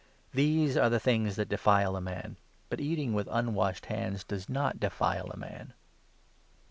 These are the things that defile a man ; but eating with unwashed hands does not defile a man."